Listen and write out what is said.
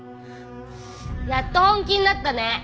やっと本気になったね。